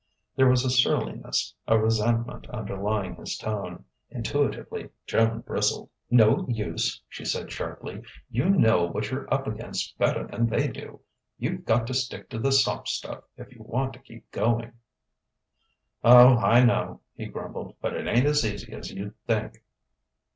There was a surliness, a resentment underlying his tone. Intuitively Joan bristled. "No use," she said sharply. "You know what you're up against better than they do. You've got to stick to the soft stuff if you want to keep going." "Oh, I know," he grumbled. "But it ain't as easy as you'd think."